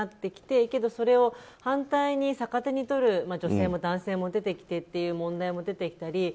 だけど、それを逆手に取る女性も男性も出てきてという問題も出てきたり。